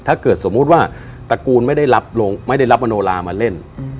ถ้าเกิดสมมุติว่าตระกูลไม่ได้รับมโนลามาเล่น